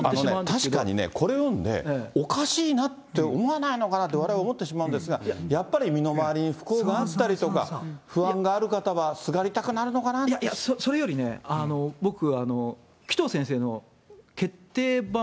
確かにね、これ読んで、おかしいなって思わないのかなとわれわれ思ってしまうんですが、やっぱり、身の回りに不幸があったりとか、不安がある方は、それよりね、僕、紀藤先生の決定版